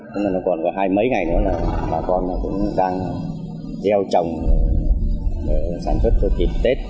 thế nên nó còn có hai mấy ngày nữa là bà con cũng đang gieo trồng để sản xuất cho kịp tết